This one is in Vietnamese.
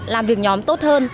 làm việc nhóm tốt hơn